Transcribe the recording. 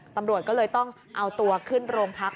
ตำรวจก็เลยต้องเอาตัวขึ้นโรงพัก